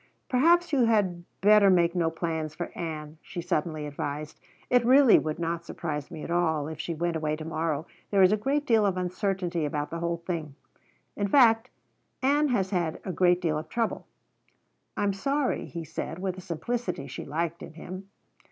"Perhaps you had better make no plans for Ann," she suddenly advised. "It really would not surprise me at all if she went away to morrow. There is a great deal of uncertainty about the whole thing. In fact, Ann has had a great deal of trouble." "I'm sorry," he said with a simplicity she liked in him.